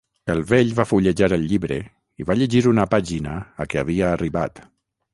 El vell va fullejar el llibre i va llegir una pàgina a què havia arribat.